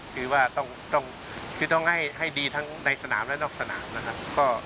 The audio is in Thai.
คือว่าคือต้องให้ดีทั้งในสนามและนอกสนามนะครับ